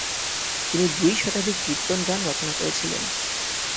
তিনি দুই শতাধিক কীর্তন গান রচনা করেছিলেন।